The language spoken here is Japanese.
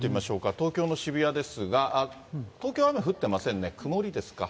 東京の渋谷ですが、東京、雨降ってませんね、曇りですか。